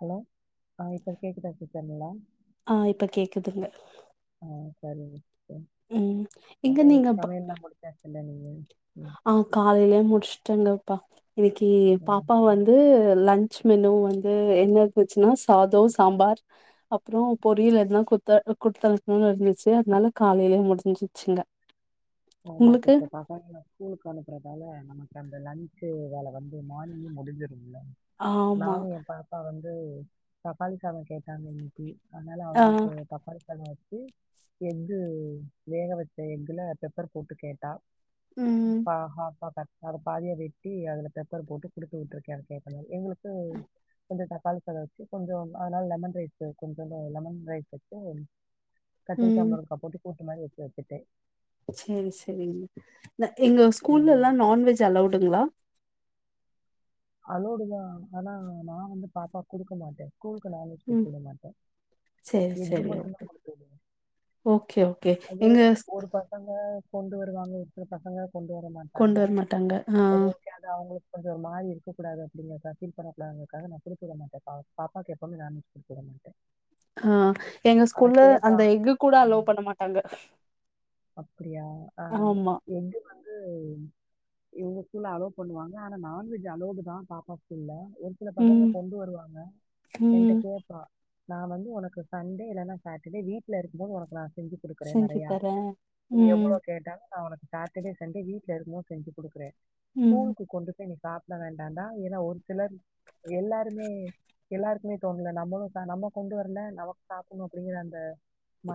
Hello ஆ இப்ப கேக்குதா சிஸ்டர் நல்லா ஆ இப்ப கேக்குதுங்க ஆ சரிங்க சிஸ்டர் ம் எங்க சமையல் நீங்க ப சமையல்லா முடிச்சாச்சல்ல நீங்க? ஆ காலைல முடிச் சுட்டங் லோ பா இன்னக்கி ஆமாம் பாப்பா வந்து லன் ச் மெனு வந்து என்ன இருந்துச்சுன்னா சாதோ, சாம்பார் அப்றோ பொரியல் எதுனா குட்த்த அ குட்த்து அனுப்பனுன்னு இருந்துச்சு. அதனால காலைலயே முடிஞ்சிருச்சுங்க ஆமா சிஸ்டர் சாப்பாட்டுல ஸ்கூலுக்கு அனுப்புறதால அ நமக்கு அந்த லன்ச் வேல வந்து மார்னிங்கே முடிஞ்சிரு தில்ல ஆமா நானு ஏன் பாப்பா வந் து தக்காளி சாதோ கேட்டாங்க இன்னக்கி அதனால ஆ அவங்களுக்கு தக்காளி சாதோ வ ச்சு எக்கு வேக வச்ச எக்குல பெப்பர் போட்டு கேட்டா ம் பா ஹாஃபா கட் அத பாதியா வெட்டி அதுல பெப்பர் போட்டு குடுத்து விட்ருக்கே அவ கேட்ட மாரி எங்களுக் கு கொஞ்சோ டா [unintelligible] வச்சு கொஞ்சோ அதனால லெமன் ரைஸு கொஞ்சமா லெமன் ரைஸ் வச்சு கத்திரிக்கா ம் முருங்க்கா போட்டு கூ ட்டு மாரி வச்சு வச்சுட்டே. செரி செரிங் ந எங்க ஸ்கூல்ல எல்லா நான்வெஜ் அலௌடுங்களா? அலோவ்டுதா ஆனா நா வந்து பாப்பாக்கு குடுக்க மாட்டே ஸ்கூலுக்கு நான்வெஜ் ம் குடுத்து விட மாட்டே சேரி எக்கு சேரி மட்டுந்தா ஓகே குடுத்து விடுவ ஓகே ஓகே அது எங்க ஸ் ஒரு பசங்க கொண்டு வருவாங்க இருக்கற பசங்க கொண்டு வர மாட்டாங்க கொண்டு வர மாட்டாங்க ஆ செரி ஓகே அது அவங்களு அது ஒரு மாரி க்கக்கூடாது அப்டிங்கறக்காக ஃபீல் பண்ணக்கூடாதுங்கறக்காக நா குடுத்து விட மாட்டே பா பாப்பாக்கு எப்பவுமே நான்வெக் குடுத்து விட மாட்டே ஆ எங்க ஆனா ஸ்கூல்ல கேப்பா அந்த எக்கு கூட ஆ அலோவ் பண்ண மாட்டாங்க அப்பிடியா ஆ ஆமா இங்க வந்து இவுங்க ஸ்கூல்ல அலோவ் பண்ணுவாங்க ஆனா நான்வெஜ் ஜ் அலோவ்டுதா பாப்பா ஸ்கூல்ல. ஒரு சில பசங்க ம் கொண்டு வருவாங்க என்ட்ட ம் கேப்பா நா வந்து உனக்கு சண்டே இல்லன்னா சாட்டர்டே வீட்ல இருக்கும்போது உனக்கு நா செஞ்சு குடுக்குறே செஞ்சு நெறையா தரேன் நீ ம் எவ்ளோ கேட்டாலு நா உனக்கு சாட்டர்டே சண்டே வீட்ல இருக்கும்போது செஞ்சு குடுக்குறே ம் ஸ்கூல்க்கு கொண்டு போய் நீ ப்ட வேண்டாண்டா ஏன்னா ஒரு சிலர் எல்லாருமே எல்லாருக்குமே தோணுல நம்மளு ஆ நம்ம கொண்டு வரல நமக்கு சாப்படணு அப்டிங்கிற அந்த ம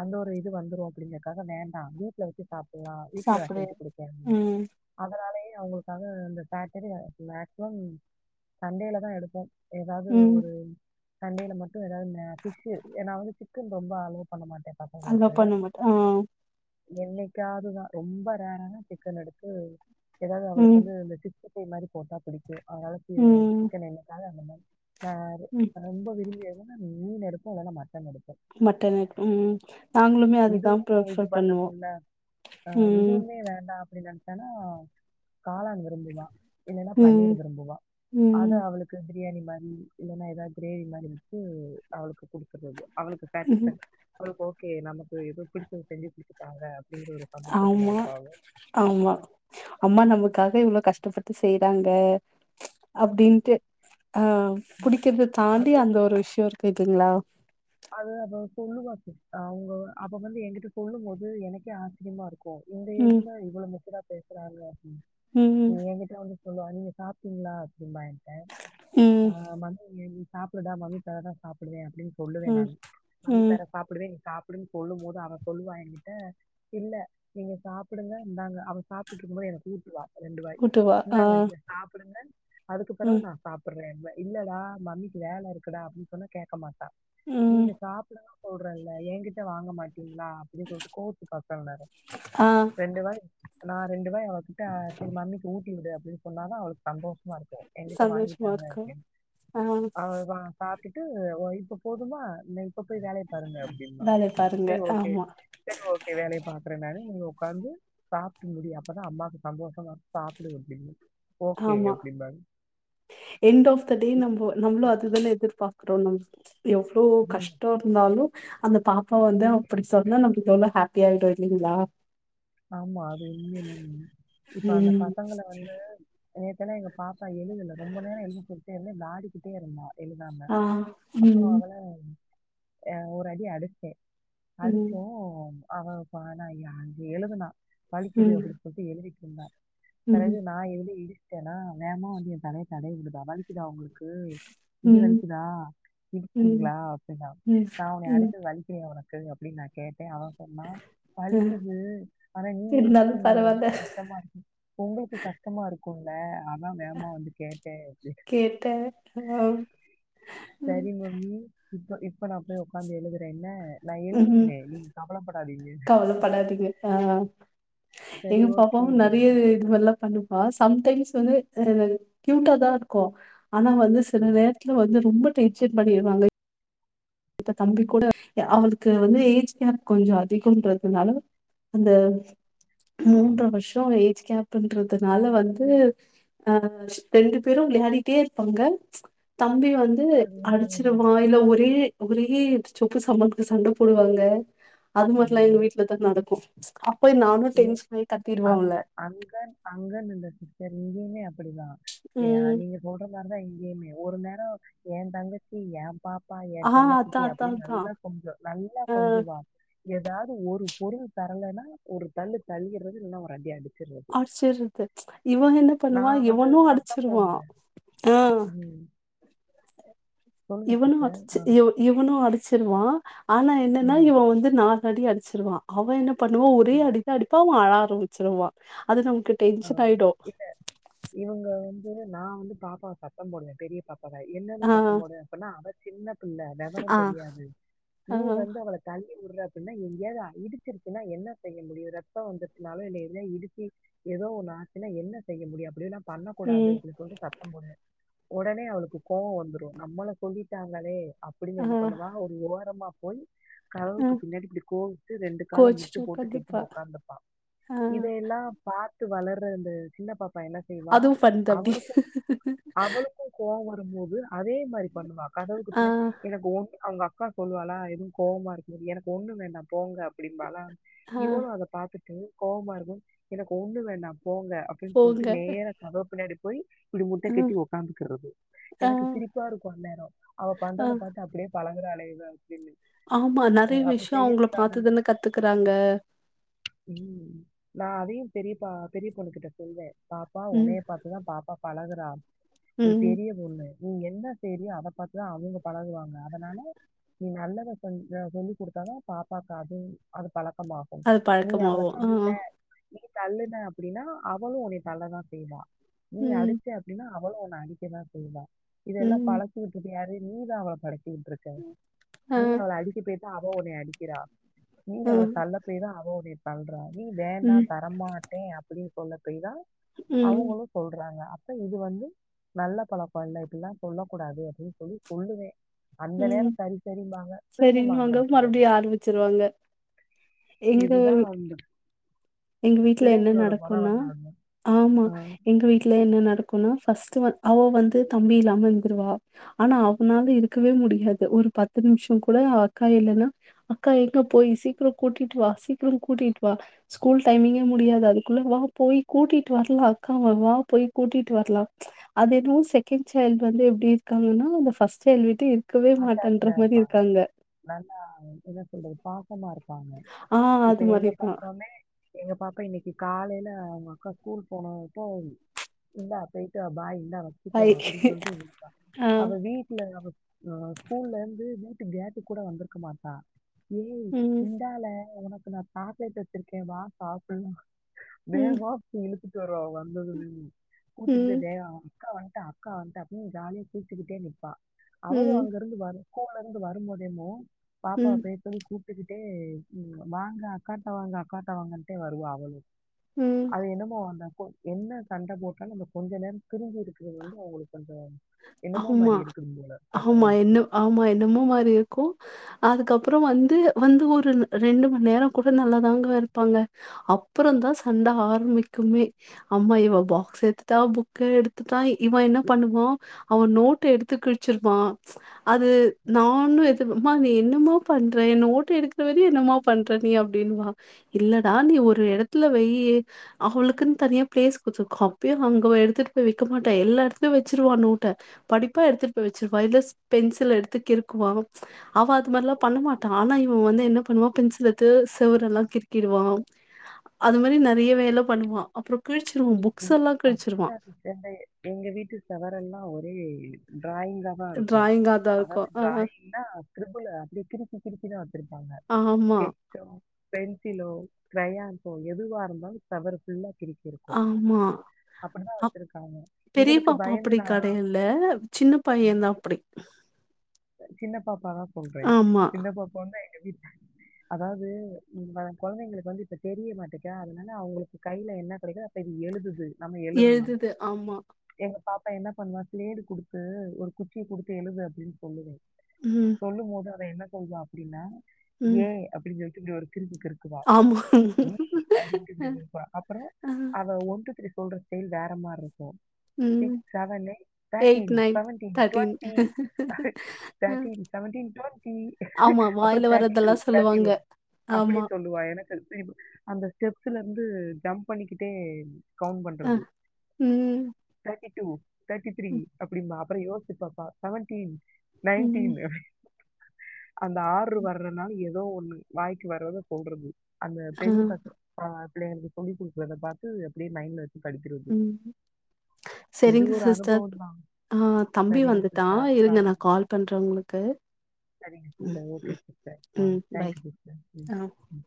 அந்த ஒரு இது வந்துரு அப்டிங்கறக்காக வேண்டா வீட்ல வச்சு சாப்படலா வீட்ல சாப்புடு செஞ்சு குடுக்கேன்னு ம் அதனாலயே அவங்களுக்காக அந்த சாட்டர்டே மேக்சிமம் சண்டேலதா எடுப்போ எதாவ்து ம் ஒரு சண்டேல மட்டு எதாவது இந்த ஃபிஷ்ஷு ஏன்னா வந்து சிக்கன் ரொம்ப அலோவ் பண்ண மாட்டேன் அலோவ் பண்ண மாட்ட ஆ என்னைக்காவதுதா ரொம்ப ரேராதா சிக்கன் எடுத்து எதாவது அவளுக்கு ம் வந்து இந்த சிக் ஸ்ட்டி ஃபைவ் மாரி போட்டா புடிக்கு அதனால சி ம் சிக்கன் என்னைக்காது அந்த மாரி நா அது ம் ரொம்ப விரும்பி அதும் ஆ மீன் எடுப்போ இல்லன்னா மட்டன் எடுப் மட்டன் எடுப் ம் நாங்களுமே அதுதா இதுவும் இது பிரிஃபர் பண்ண பண்ணுவோ முடியல, ம் ஏன்னா காளான் விரும்புவா இல்லன்னா ம் பன்னீர் விரும்புவா அத ம் அவளுக்கு பி ரியாணி மாரி இல்லன்னா ஏதாது கிரேவி மாரி வச்சு அவளுக்கு குடுக்குறது அவளுக்கு ம் சேட்டிஸ்ஃபேக்ஷன் அவளுக்கு ஓ க்கு நமக்கு எதோ பிடிச்சது செஞ்சு குடுத்து ஆமா ஆமா அம்மா நமக்காக இவ்ளோ கஷ்டப்பட்டு செய்றாங்க அப்டின்ட்டு ஆ புடிக்கிறது தாண்டி அது அந்த ஒரு விஷயோ இருக்கு இத் க்கீங்களா அது அவ சொல்லுவா சிஸ் அவங்க அப்ப வந்து என்கிட்ட சொல்லும் போது எனக்கே ஆச்சரியமா இரு க்கு இந்த ம் ஏஜ்ல இவ்ளோ மெச்சூர்டா பேசறாங்க அப்டின்னு ம் ஏன்கிட்ட வந்து சொல்லுவா நீங்க சாப்ட்டீங்களா அப்டிம்பா என் ட்ட நா ம், வந்து என் சாப்புடுடா மம்மிக்காகதா சாப்புடுவே அப்டின் சொல்லுவேன் ம், நான் பண்ணி ம். தருவேன் சாப்பிடுவேன் சாப்பிட்டு போ அப்டின்னு சொல்லும் போது அவ சொல்லுவான் என்கிட்ட இல்ல நீங்க சாப்பிடுங்க இருந்தாங்க அவ சாப்பிட்டு இருக்கும் போது எனக்கு கூட்டுவா ரெண்டு வாய் கூட்டுவா. ஆ, இந்தாங்க நீங்க சாப்பிடுங்க அதுக்கு ம், பிறகு நா சாப்பிடுறேன்பேன் இல்லடா மம்மிக்கு வேலை இருக்குடா அப்டின்னு சொன்னா கேக்க மாட்டான் ம். நீங்க சாப்டானும் கூடுறோல்ல எங்கிட்ட வாங்க மாட் டிங்களா அப்டின்னு சொல்லிட்டு கோவத்த காட்டக்கூடாது ஆ ரெண்டு வாய் நா ரெண்டுமே மம்மிக்கு ஊட்டி விடு அப்டி சொன்னா தா அவளுக்கு சந்தோஷம் இருக்கும் எங்கிட்ட சந்தோஷமா வாங்கிட்டாங்க இருக்கும். அப்டின்னு ஆ அதான் பாத் ட்டு வைஃப் போதுமா இ இப்ப போய் வேலைய பாருங்க அப்படின்ப வேலைய பாருங்க. சரி ஓகே ஆமா, சரி ஓகே வேலையை பாக்குறேன் நானு நீ உக்காந்து சாப்பிட முடியி அப்பதா அம்மாவுக்கு சந்தோஷமா சாப்பிடு அப்டினு ஆமா எண்ட் ஆஃப் தி டே இப் நம்ளோ நம்மோ அது அதுதானே எதிர்பாக் கிறோம் நம்ம எவ்ளோ ம். கஷ்டோ இருந்தாலு அந்த பாப்பா வந்து அப்டி சொன்னா நம்ம எவ்ளோ ஹாப்பிய ஆயிடும் இல்லிங்களா ஆமா அது உண்மைய இப்ப அந்த ம். பசங்களை வந்து நேத்தல்லாம் எங்க பாப்பா எழுதல ரொம்ப நேரம் எழுதிட்டே விளயாடிட்டே இருந்தா எழுதாம ஆ, அப்றோ ம், அவள அ ஒரு அடி அடிச்சேன் ம், அதுக்கோம் [unintelligible] எழுதுனா வலிக்குது ம், அப்டின்னு சொல்லி எழுதி இல்ல பிறகு ம், நான் எதுல இடி என்னா வேகம வந்து என் தலைய தடவி விடுதுதான் வலிக்குதா உங்களுக்கு ம் இங்க ம், வலிக்குதா ம், இருக்கீங்களா அப்டின்னா ம், நா உன்ன ம். அடிச்சேன் வலிக்கலயா உனக்கு கு அப்டின் நா கேட் தே அவ சொன்னா அ பழிக்கு அது ஆனா நீங்க இருந்தாலும் இருக்கிங்கல்ல பரவால்ல உங்களுக்கு கஷ்டமா இருக்கு ரொம்ப கஷ்டமா இருக்கு குள்ள அப் நா வேகமா வந்து கேட்ட கேட்டேன். ஆ, ம். சேரி மம்மி இப்போ இப்ப நா போய் உக்காந்து எழுதுற என்ன நா எழுதிருவ நீங் கவலப்படாதீங்க கவலப்படாத் எது ஆ சரி எங்க ஓகே பாப்பாவு நறைய இது மாரி எல்லா பண்ணுப் வா சம்டைம்ஸ் [unintelligible] கியூட்டாதா இருக்கு ஆனா வந்து சில நேரத்துல வந்து ரொம்ப டீச்சர் பண்ணிடுவாங்க இப்ப தம்பி கூட அவளுக்கு வந்து ஏஜ் கேப் கொஞ்சோ அதிகமன்றதுனால இந்த மூன்ற வருஷோ ஏஜ் கேப் பன்றதுனால வந்து அ ரெண்டு பேரும் விளையாடிட்டே இருப்பாங்க தம் தம்பி வந்து அது வந்து ஒரு அடுச்சுருவா இல்ல ஒரே ஒரே சொப்பு சாமானுக்கு சண்ட போடுவாங்க அது மட்டு எல்லா எங்க வீட்லதா நடக்கு ஏ அங்கு அங்கன் அங்கன் இல்ல சேரிங்க நியம் அப்டிதா ஏ ம் நீங்க சொல்றது மாரிதா எங் சேம்மியே ஒரு நேரோ ஏந் தங்கச்சி ஏம் பாப் பா ஏ ஆ செல்ல குட்டி அதான் அதான் அப்டின் அதான். நல்லா கொஞ்சுவா நல்லா அ கொஞ்சுவா ஏதாவது ஒரு பொருள் தரலன்னா ஒரு தள்ளு தள்ளிறது இல்ல ஒரு அடி அடுச் அடுச்சுறது இவ என்ன பண்ணுவா நான் வந்து இவனு சத்தம் அடுச்சுருவா போடுவேன் ஆ ம் சொல்லுங்க இவனு சிஸ்டர் அடுச்சு ஆ இவ இவனு அடுச்சுருவா ஆனா என்னன்னா ம் இவ வந்து நாலாடி அடுச்சு த்துருவா அவ என்னப் பண்ணுவா ஒரே ம். அடிதா அடிப்பா அவ அழா ச்சுருவா அதுதாங் ஆ இல்ல இவங்க நா வந்து பாப்பாவ சத்தம் போடுவ பெரிய பாப் பாவ என்னனு ஆ சத்தம் போடுவ அப்டின்னா அவ சின்ன பிள்ள வெவரோந் ஆ தெரியாது ஆ நீ வந்து அவள தள் விடுற அப்டின்னா எங்கேயாவது இடுச்சுருச்சுன்னா என்ன செய்ய முடியு ரத்தோ வந்துருச்சனாலு இல்ல எதுளையாவது இடுச்சு ஏதோ ஒன்னு ஆச்சுன்னா என்ன செய்ய முடியு அப்புடின்னா பண்ண கூடாது ம் அப்டி சொல்லி சத்தம் போடு ஒடனே அவளுக்கு கோவோ வந்துரு நம்மள சொல்லிட்டாங்களே அப்டின் ஆ என்ன பண்ணுவா ஒரு ஓரமா போய் ஆ கதவுக்கு பின்னாடி இப்டி கோவுச்சுட்டு ரெண்டு கால முட்டு கோச்சுட்டு போட்டு கெட்டி உக்காந்துப்பா உக்காந்துபா ஆ இதையெல்லாம் பாத்து வளர்ற அந்த சின்ன பாப் இப்ப என்ன செய்வா அதுவு ஃபன் தம்பி அவளுக்கு அவளுக்கு கோவோ பாக்கும் போது அதே மாரி பண்ணுவா கதவுக்கு ஆ பின்ன எனக்கு கோ அவுங்க அக் அக்கா சொல்லுவாலா எதுவு கோவமா இருக்குது எனக்கு ஒண்ணும் வேண்டா போங்க அப்டிம்பாலா ஆ இவளு அத பாத்துட்டு கோமா இருக்கு எனக்கு ஒண்ணு வேண்டாம் போங்க அப்டின் சொல்ட்டு போங்க நேரா கதவுக்கு பின்னாடி போய் இப்புடி முட்ட ம் கட்டி உக்காந்துக்குறது ஆ எனக்கு சிரிப்பா இருக்கு அன் நேரோ அவ ஆ பண்றத பாத்து அப்டியே பழகுறால் ளே இவ அப்படின்னு. ஆமா அ நறைய அப்படி விஷ்யோ அவங்கள செய்யக்கூடாது. பாத்து தான கத்துக்குறாங்க ம் நா அதையு பெரியப்பா பெரிய பொண்ணுகிட்ட சொல்வ பாப்பா ம் உனைய பாத்துதா பாப்பா பழகுறா நீ ம் பெரிய பொண்ணு நீ என்ன செய்ரியோ அத பாத்துதா அவங்க பழகுவாங்க அதனால நீ நல்லத சொல் சொல்லி குடுத்தாதா பாப்பாக்கு அது அது பழ க்கமாகு அது நீ அவள பழக்கமாவு ஆ தள்ளிட்ட நீ தள்ளுன அப்டின்னா அவளு உன்னைய தள்ளதா செய்வா நீ ம் அடுச்ச அப்டின்னா அவ்வளு உன்ன அடிக்கதா செய்வா இதெல்லா ம். பழக்கியுட்டது யாரு ஊதாவா படைக் ட்ருக்க ஆ, நீ அவள அடிக்க போயிதா அதா ஒன்னய அடிக்கிறா நீங்க ஆ. அவள தள்ள போய்தா அவ உன் இப்டி பண்றா நீ வேண்டா ம், வரமாட்டே அப்டின் சொல்ல போய்தா ம், அவங்களு சொல்றாங்க அப் இது வந்து நல்ல பழக்கோல்ல இப்டில்லா சொல்லக்கூடாது அப்டின் சொல்லி சொல்லுவே அந்த நேரோ ம். சரி சரிபாங்க திரும்பமா சரின்னுவாங்க. ஆரம்பிச்சுக்குவாங்க மறுபடியும் ஆரம்பிச்சுருவாங்க. எங்க இதுதா வந்து எங்க வீட்ல என்ன நடக்குன்னா அதுதான். ஆமா ஆ எங்க வீட்ல என்ன நடக்கு னு ஃபஸ்ட்டு அவ வந்து தம்பி இல்லாம இருந்துருவா ஆனா அவனால இருக் இருக்கவே முடியாது ஒரு பத்து நிம்ஷோ கூட அக்கா இல்லன்னா அக்கா எங்க போய் சீக்குரோ கூட்டிட்டு வா சீக்கேரோ கூட்டிட்டு வா ஸ்கூல் டைமிங்கே முடியாது அதுக்குள்ள வா போய் கூட்டிட்டு வர்லா அக்காவ வா போய் கூட்டிட்டு வர்லா அதென்னவோ செக்கெண்ட் சைல்டு வந்து எப்டி இருக்காங்கன்னா இந்த ஃபஸ்ட் சைல்ட விட் டு அட்டேச்டா இருப்பாங்க நல்லா என்ன சொல்றது பா பாசமா இருப்பாங்க ஆ இப்ப அது மாரி எங்க தான். பாப்பாமே எங்க பாப்பா இன்னிக்கு காலைல அவங்க அக்கா ஸ்கூல் போனப்போ இருந்தா போயிட்டு பாய் இந்தா வெச்சுக்கோ ஹாய் அப்டின் சொல்ட்டு இவ இருப்பா ஆ அவ வீட்ல அவ ஆ ஸ்கூல்ல இருந்து வீட்டு கேட்டு கூட வந்துருக்க மாட்டா ஏய் ம், இந்தால உனக் நா சாக்லேட்டு வெச்சுருக்க வா சாப்புல்லா வேகமா ம், வான் இழுத்துட் சுயோறா அவ வந்தது நீங் ம், ஊட்டிட்டுந்ததே அக்கா வந்ன்ட்டா அக்கா வந்ன்ட்டா அப்பின்னு ஜாலியா சிருச்சுக்கிட்டே நிப்பா அவளு ம், அங்க இருந்து வரு ஸ்கூட்டர் இருந்து வர முடியுமோ பாப்பாவ ம், போய் கூப்டு கிட்டு ன்ட்டு வாங்க அக்காட்ட வாங்க அக்காட்ட வாங்கன்ட்டு வருவா அவளு ம். அது என்னமோ வந்த என்ன சண்ட போட்டாலு அந்த கொஞ்ச நேர பிரிஞ்சி இருக்குறது வந்து அவளுக் அந்த என்னமோ ஆமா, மாதிரி இருக்குதும்போல ஆமா என்ன ஆமா என்னமோ மாரி இருக்கு அதுக்கப்றோ வந்து வந்து ஒரு ரெண்டு மணி நேர கூட நல்லாதாங்க இருப்பாங்க அப்றோ தா சண்ட ஆரம்பிக்குமே அம்மா இவ பாக்ஸ் எத்துட்டா புக்க எடுத்துட்டா இவ என்ன பண்ணுவா அவன் நோட்ட எடுத்து கிழுச்சிருப்பான் அது நானு எடுத் ம்மா நீ என்னமா பண்ற என் நோட்ட எடுக்ற வரயு என்னமா பண்ற நீ அப்டின்னுவா இல்லடா நீ ஒரு எடத்ல வெய்யு அவளுக்குன் தனியா பிளேஸ் குடுத்துருக்கோ அப்பயு அங்க எடுத்துட்டு போய் வெக்க மாட்டா எல்லா எடத்துலயு வெச்சிருவா நோ படிப்பா எடுத்துட்டு போய் வெச்சுருப்பா இல்ல பென்சில எடுத்து கிருக்குவா அவ அது மாரில்லா பண்ண மாட்ட ஆனா இவ வந்து என்ன பண்ணுவா பென்சில எடுத்து செவர் எல்லா கிருக்கிருவா அது மாதிரி நெறய வேல பண்ணுவா அப்றோ கிழுச்சு அப்பதா எங்க வீட்டு செவரெல்லா ஒரு ச [unintelligible] ட்ராயிங்காதா இருக்கு ட்ராயிங்கா தான் அதாவது இருக்கும். அ, அ. ட்ராயிங்னா கிருபிளு கிருக்கி கிருக்கிதா வெச்சுருப்பாங்க ஆமா, ஸ்கெட்சோ பென்சிலோ க்ராயான்சோ எதுவா இருந்தாலு செவர் ஃபுள்ளா கிரிக்கி இருப்ப அ பெரிய இவளுக்கு பாப்பா பயந்து அப்படி நான் கெடையல்ல சின்ன பையந்தா அப்டி சின்ன பாப்பா தா சொல்றே சின்ன பாப்பாவுமே அதாவ்து உ கொழந்தைங்களுக்கு வந்து இப்ப தெரிய மாட்டேக்கா அதனால அவுங்களுக்கு கையில என்னா கெடைக்குதோ எழுதுது நம்ம எழுதலாம் எழுதுது ஆமா எங்க பாப்பா என்ன பண்ணுவா சிலேடு குடுத்து ஒரு குச்சிய குடுத்து எழுது அப்டின்னு சொல்லுவே ம், சொல்லும் போது அது என்ன போம் அப்டின்னா ம். ஏ அப்டி இப்டி ஒரு திரும்பி கிருக்குவா ஆமா. நீ அடிச்சிட்டு இருப்பா அப்றோ அ, அ, அத ஒன் டூ த்ரீ சொல்ற செயல் வேரமார் இருக் க்கு ம். செவனு தோட்டின் செவன்டின் டுவென்டி அ, செவன்டின் செவன்டின் டுவென்டி ஆமா. அப்றோ [unintelligible] வாயில வர்றதெல்லாம் தேட்டி சொல்லுவாங்க. ஒன் அப்புடி ஆமா. சொல்லுவா எனக்கு அது சிரிப்பு அந்த ஸ்டெப்சுல வந்து ஜம்ப் பண்ணிக்கி ட்டே கவுண்ட் அ, பண்றது ம், தேர்டீன் டூ தேட்ர்டி த்ரீ அப்டிம்பா அப்புறோ யோசிப்பாப்பா செவன்டீன் ம். நைன்டீன் [inaudible] அந்த ஆறு வர்றனாலு எவ் ஏதோ ஒண்ணு வாய்க்கு வர்றத சொல்றது அந்த ஆ, பெரிய பஸ்சு அ இல்ல எனக்கு டுவெண்ட்டி டூ அத பாத்து எப்டி லைன்ல ம் இது செரிங்க ஒரு சிஸ்டர் அனுபவம் தான். ஆ தம்பி சரிங்க வந்துட்டா இருங்க நா கால் பண்ற உங்களுக் கு செரிங்க சிஸ்டர் ஓகே சிஸ்டர் ஆ ம். பை. தேங்யூ சிஸ்டர் ம் ஆ. ம்